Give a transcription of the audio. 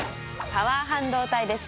パワー半導体です。